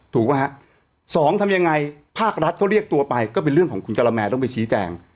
ถูกไหมฮะสองทำยังไงภาครัฐเขาเรียกตัวไปก็เป็นเรื่องของคุณกะละแมต้องไปชี้แจง